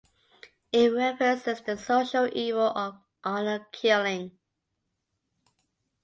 It references the social evil of honour killing.